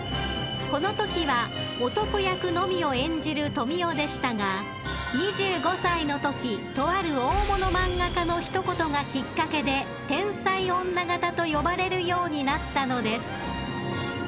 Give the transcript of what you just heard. ［このときは男役のみを演じる富美男でしたが２５歳のときとある大物漫画家の一言がきっかけで天才女形と呼ばれるようになったのです］